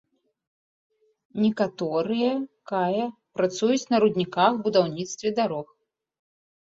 Некаторыя кая працуюць на рудніках, будаўніцтве дарог.